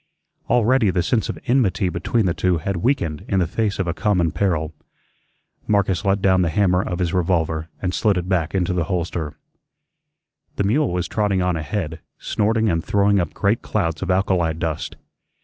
Already the sense of enmity between the two had weakened in the face of a common peril. Marcus let down the hammer of his revolver and slid it back into the holster. The mule was trotting on ahead, snorting and throwing up great clouds of alkali dust.